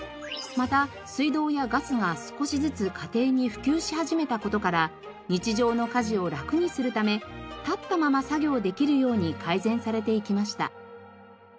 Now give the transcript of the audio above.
また水道やガスが少しずつ家庭に普及し始めた事から日常の家事を楽にするため立ったまま作業できるように改善されていきました。